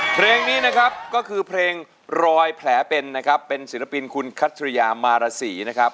เพลงนี้นะครับก็คือเพลงรอยแผลเป็นนะครับเป็นศิลปินคุณคัทริยามารสีนะครับ